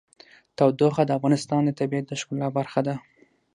تودوخه د افغانستان د طبیعت د ښکلا برخه ده.